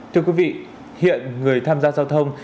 thưa quý vị hiện người tham gia giao thông